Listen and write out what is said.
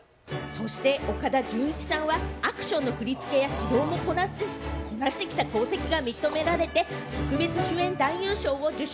そして岡田准一さんはアクションの振り付けや指導もこなしてきた功績が認められて特別主演男優賞を受賞。